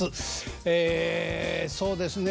えそうですね